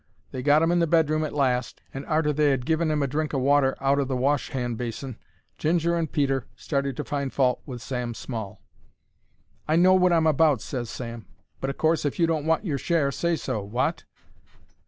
They got 'im in the bedroom at last, and, arter they 'ad given 'im a drink o' water out o' the wash hand basin, Ginger and Peter started to find fault with Sam Small. "I know wot I'm about," ses Sam; "but, o' course, if you don't want your share, say so. Wot?"